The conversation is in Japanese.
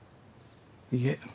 いえ。